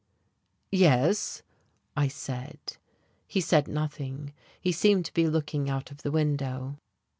"Yes," I said.... He said nothing he seemed to be looking out of the window.